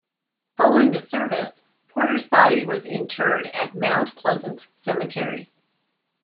Following the service, Porter's body was interred at Mount Pleasant Cemetery.